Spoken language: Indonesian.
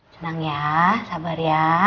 tenang ya sabar ya